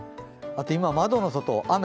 今、窓の外、雨。